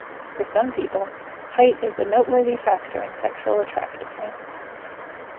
For some people, height is a noteworthy factor in sexual attractiveness.